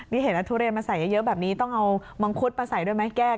นี่เห็นทุเรียนมาใส่เยอะแบบนี้ต้องเอามังคุดมาใส่ด้วยไหมแก้